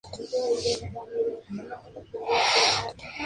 Se inició en las divisiones inferiores de Olimpia.